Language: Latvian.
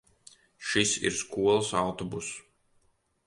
Šis ir skolas autobuss.